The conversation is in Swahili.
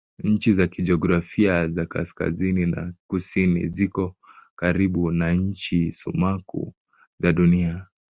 Ncha za kijiografia za kaskazini na kusini ziko karibu na ncha sumaku za Dunia.